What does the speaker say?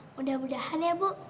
mudah mudahan ya bu